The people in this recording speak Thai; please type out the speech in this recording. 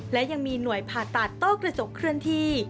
และยังมีหน่วยผ่าตัดโต้กระจกเคลื่อนที่